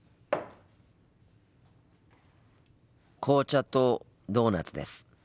紅茶とドーナツです。